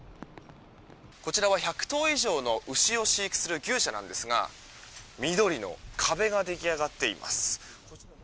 こちらは１００頭以上の牛を飼育する牛舎なんですが緑の壁が出来上がっています。